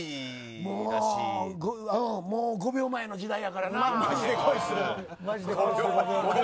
もう５秒前の時代やからな。